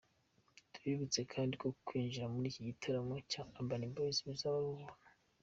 Tubibutse kandi ko kwinjira muri iki gitaramo cya Urban Boys bizaba ari ubuntu.